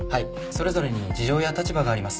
それぞれに事情や立場があります。